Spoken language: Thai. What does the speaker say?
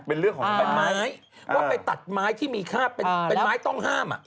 เป็นไม้ว่าไปตัดไม้ที่มีค่าเป็นไม้ต้องห้ามอ่ะ